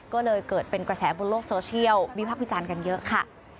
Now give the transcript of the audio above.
ก็เลยเกิดเป็นกระแสบนโลกโซเชียลวิพักษ์วิจารณ์กันเยอะค่ะ